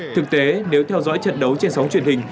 thực tế nếu theo dõi trận đấu trên sóng truyền hình